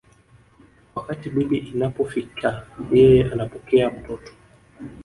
Wakati bibi inapofika yeye anapokea mtoto